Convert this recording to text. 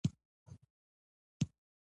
پخوا سپین ږیرو کیسې کولې.